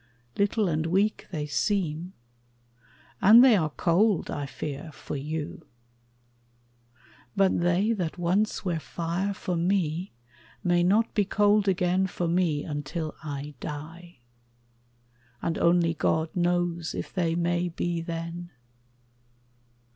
Little and weak They seem; and they are cold, I fear, for you. But they that once were fire for me may not Be cold again for me until I die; And only God knows if they may be then.